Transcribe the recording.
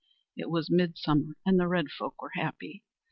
It was midsummer and the red folk were happy.